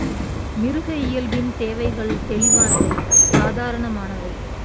மிருக இயல்பின் தேவைகள் தெளிவானவை சாதாரணமானவை.